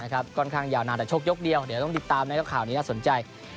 ค่อนข้างยาวนานแต่ชกยกเดียวเดี๋ยวต้องติดตามนะครับข่าวนี้น่าสนใจ